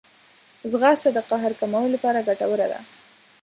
ځغاسته د قهر کمولو لپاره ګټوره ده